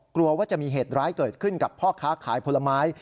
กลัวว่าจะมีเหตุร้ายเกิดขึ้นกับพ่อค้าขายผลไม้